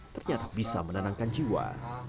ternyata bisa menenangkan jiwa